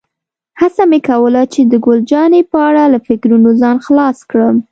هڅه مې کوله چې د ګل جانې په اړه له فکرونو ځان خلاص کړم.